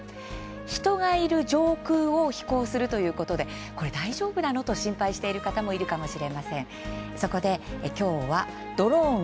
人がいる上空を飛行するということで大丈夫なの？と心配している方もいるかもしれません。